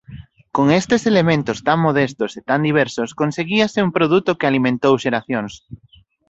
Con estes elementos tan modestos e tan diversos conseguíase un produto que alimentou xeracións.